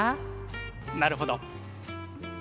なるほど。